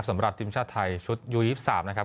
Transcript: สำหรับทีมชาติไทยชุดยู๒๓นะครับ